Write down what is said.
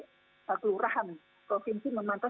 kelurahan provinsi memantau